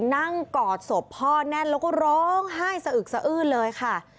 กอดศพพ่อแน่นแล้วก็ร้องไห้สะอึกสะอื้นเลยค่ะ